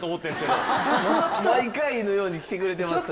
毎回のように来てくれてますけれども。